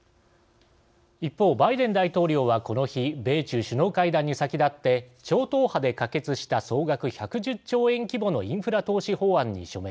一方バイデン大統領はこの日米中首脳会談に先立って超党派で可決した総額１１０兆円規模のインフラ投資法案に署名。